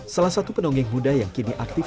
salah satu pendongeng buddha yang kini aktif